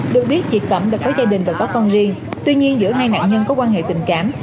được biết chị cẩm đã có gia đình và có con riêng tuy nhiên giữa hai nạn nhân có quan hệ tình cảm